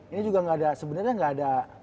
ini juga sebenernya gak ada